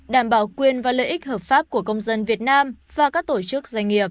đảm bảo quyền và lợi ích hợp pháp của công dân việt nam và các tổ chức doanh nghiệp